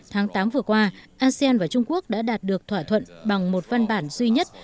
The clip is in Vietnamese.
tháng tám vừa qua asean và trung quốc đã đạt được thỏa thuận bằng một văn bản duy nhất